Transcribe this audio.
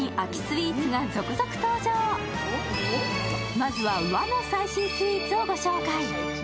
まずは和の最新スイーツをご紹介。